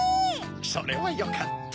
それはよかった。